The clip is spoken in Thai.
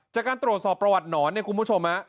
จากการตรวจสอบประวัติหนอนเนี่ยคุณผู้ชม